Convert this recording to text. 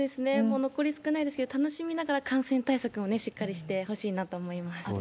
もう残り少ないですけれども、楽しみながら感染対策もしっかりしてほしいなと思います。